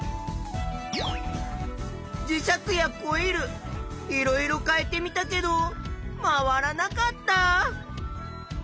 磁石やコイルいろいろ変えてみたけど回らなかった。